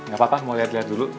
gak apa apa mau lihat lihat dulu